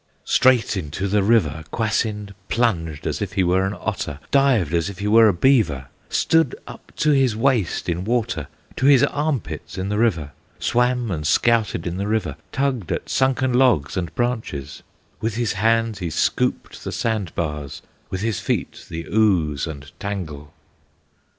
Straight into the river Kwasind Plunged as if he were an otter, Dived as if he were a beaver, Stood up to his waist in water, To his arm pits in the river, Swam and scouted in the river, Tugged at sunken logs and branches, With his hands he scooped the sand bars, With his feet the ooze and tangle.